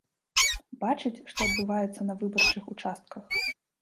Бачыць, што адбываецца на выбарчых участках?